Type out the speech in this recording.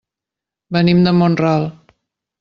Venim de Mont-ral.